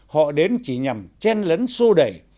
họ đến chỉ nhằm chen lấn sô đẩy